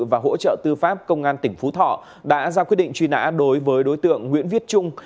và hỗ trợ tư pháp công an tỉnh phú thọ đã ra quyết định truy nã đối với đối tượng nguyễn viết trung